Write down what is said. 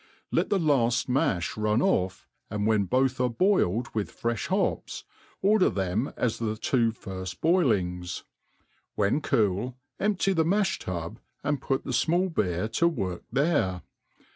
Let the laft malh run off, and when both are boiled with frefii hops, order thenras the two firft' boilings ; when cool empty the malh tub, and put the fmall*. beer to work there.